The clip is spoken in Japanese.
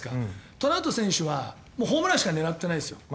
トラウト選手はホームランしか狙ってないですよ